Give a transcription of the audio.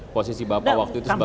posisi bapak waktu itu sebagai